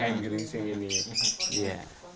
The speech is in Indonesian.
kain geringsing ini dikisahkan oleh dewa indra